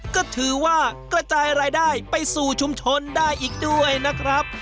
ก็ถือว่ากระจายรายได้ไปสู่ชุมชนได้อีกด้วยนะครับ